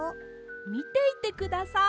みていてください。